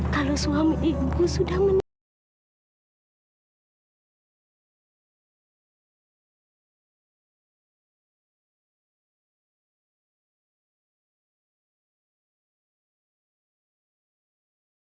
kalau suami ibu sudah menangis